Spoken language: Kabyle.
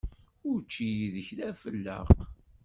Učči yid-k d afelleq.